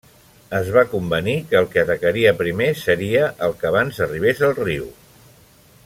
Es va convenir que el que atacaria primer seria el que abans arribes al riu.